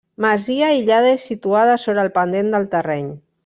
Masia aïllada i situada sobre el pendent del terreny.